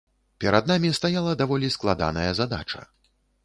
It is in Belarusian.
Перад намі стаяла даволі складаная задача.